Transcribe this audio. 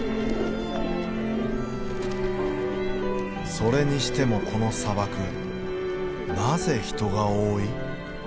それにしてもこの砂漠なぜ人が多い？